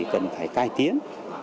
cần phải cải tiến